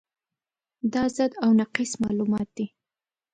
دا ضد او نقیض معلومات دي.